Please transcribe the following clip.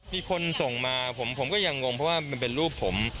มีคนส่งมาผมก็ยังงงเพราะว่ามันเป็นรูปผม